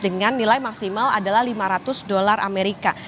dengan nilai maksimal adalah lima ratus dolar amerika